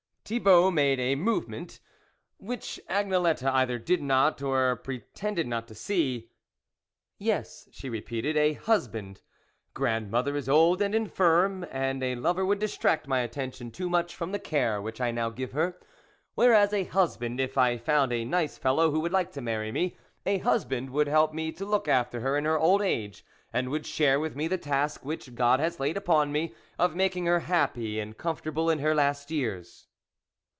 Thibault made a movement, which Agnelette either did not, or pretended not to see. " Yes," she repeated, " a husband. Grandmother is old and infirm, and a lover would distract my attention too much from the care which I now give her ; whereas, a husband, if I found a nice fellow who would like to marry me, a husband would help me to look after her in her old age, and would share with me the task which God has laid upon me, of making her happy and comfortable in her last years."